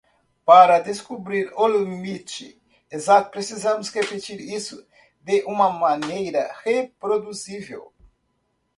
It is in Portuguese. Para descobrir o limite exato?, precisamos repetir isso de uma maneira reproduzível.